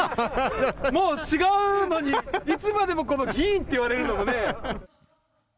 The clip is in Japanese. もう違うのに、いつまでもギインって言われるんだもんね。